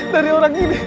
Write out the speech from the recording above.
dari orang ini